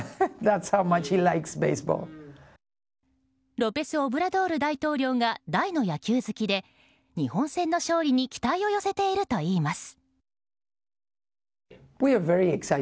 ロペス・オブラドール大統領が大の野球好きで日本戦の勝利に期待を寄せているといいます。